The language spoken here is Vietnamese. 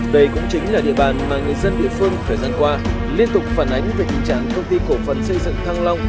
đây cũng chính là địa bàn mà người dân địa phương thời gian qua liên tục phản ánh về tình trạng công ty cổ phần xây dựng thăng long